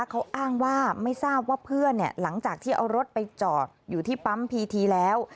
เขาอ้างว่าไม่ทราบว่าเพื่อนหลังจากที่เอารถไปจอดอยู่ที่ปั๊มพีทีแล้ว